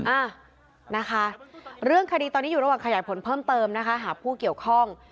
อ่ะนะคะเรื่องคดีตอนนี้อยู่ระหว่างขยายผลเพิ่มเติมนะคะหาผู้เกี่ยวข้อง